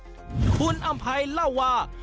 หุ่นอำไพล่าว่า